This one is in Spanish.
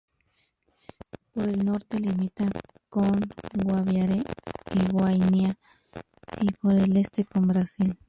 Por el norte limita con Guaviare y Guainía, y por el este con Brasil.